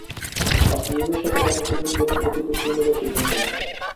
আমি মিমির সাথে কাটানো দিনগুলোর ক্ষতি পুষিয়ে নিবার সিদ্ধান্ত নিই।